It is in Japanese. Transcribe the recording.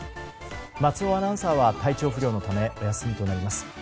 松尾アナウンサーは体調不良のためお休みとなります。